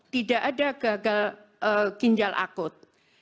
tidak ada gagal ginjal akut